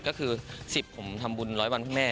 ก็คือ๑๐ผมทำบุญร้อยวันคุณแม่